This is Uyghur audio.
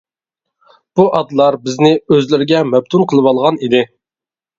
بۇ ئاتلار بىزنى ئۆزلىرىگە مەپتۇن قىلىۋالغان ئىدى.